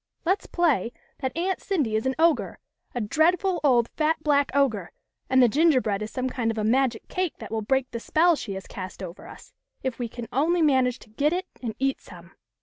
" Let's play that Aunt Cindy is an ogre, a dreadful old fat black ogre, and the gin gerbread is some kind of a magic cake that will break the spell she has cast over us, if we can only manage to get it and eat some."